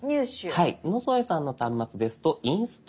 野添さんの端末ですと「インストール」。